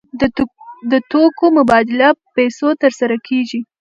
د توکو مبادله په پیسو ترسره کیږي.